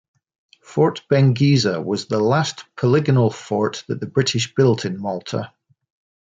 Fort Benghisa was the last polygonal fort that the British built in Malta.